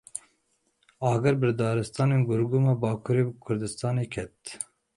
Agir bi daristanên Gurgum a Bakurê Kurdistanê ket.